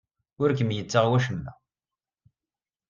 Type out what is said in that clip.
Ur kem-yettaɣ wacemma.